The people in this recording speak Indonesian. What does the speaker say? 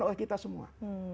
oleh kita semua